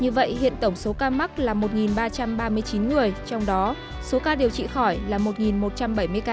như vậy hiện tổng số ca mắc là một ba trăm ba mươi chín người trong đó số ca điều trị khỏi là một một trăm bảy mươi ca